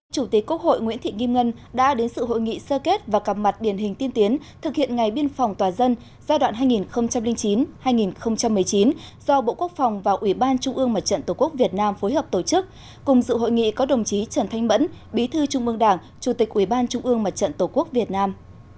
chủ tịch quốc hội nguyễn thị kim ngân đã đến sự hội nghị sơ kết và gặp mặt điển hình tiên tiến thực hiện ngày biên phòng toàn dân giai đoạn hai nghìn chín hai nghìn một mươi chín do bộ quốc phòng và ủy ban trung ương mặt trận tổ quốc việt nam phối hợp tổ chức cùng dự hội nghị có đồng chí trần thanh bẫn bí thư trung mương đảng chủ tịch ủy ban trung ương mặt trận tổ quốc việt nam